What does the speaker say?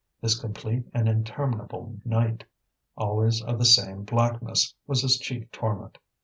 This complete and interminable night, always of the same blackness, was his chief torment.